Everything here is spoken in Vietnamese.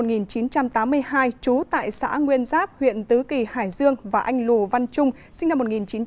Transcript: năm một nghìn chín trăm tám mươi hai chú tại xã nguyên giáp huyện tứ kỳ hải dương và anh lù văn trung sinh năm một nghìn chín trăm chín mươi hai